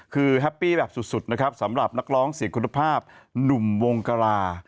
คือแฮปปี้แบบสุดนะครับสำหรับนักร้องเสียงคุณภาพหนุ่มวงกรา